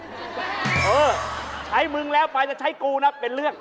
เออใช้มึงแล้วไปจะใช้กูนะเป็นเรื่อง